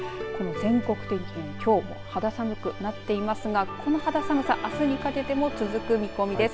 全国的にきょう肌寒くなっていますがこの肌寒さあすにかけても続く見込みです。